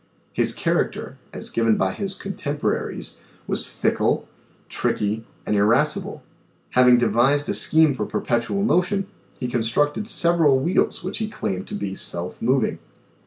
His character, as given by his contemporaries was fickle, tricky, and irascible. Having devised a scheme for perpetual motion he con structed several wheels which he claimed.to be self moving.